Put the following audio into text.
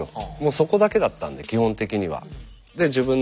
そこだけだったんで基本的には。